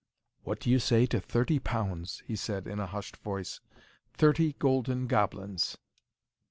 "What do you say to thir ty pounds?" he said, in a hushed voice. "Thirty golden goblins?"